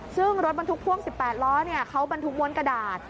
ซึ่งรถบรรทุกพ่วง๑๘ล้อเขาบรรทุกม้วนกระดาษ